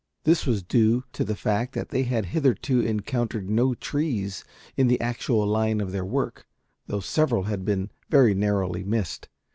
This was due to the fact that they had hitherto encountered no trees in the actual line of their work, though several had been very narrowly missed.